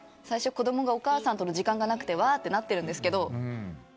最初子供がお母さんとの時間がなくてわーってなってるんですけど。